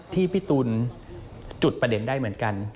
พี่ตูนจุดประเด็นได้เหมือนกัน